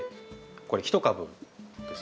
これ１株です。